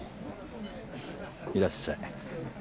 いらっしゃい。